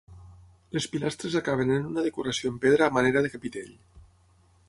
Les pilastres acaben en una decoració en pedra a manera de capitell.